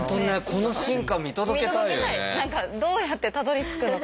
何かどうやってたどりつくのか。